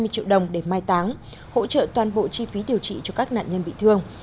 hai mươi triệu đồng để mai táng hỗ trợ toàn bộ chi phí điều trị cho các nạn nhân bị thương